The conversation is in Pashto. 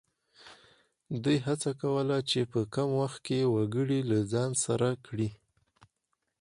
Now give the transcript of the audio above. دوی هڅه کوله چې په کم وخت کې وګړي له ځان سره کړي.